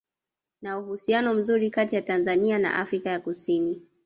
Na uhusiano mzuri kati ya Tanzania na Afrika ya kusini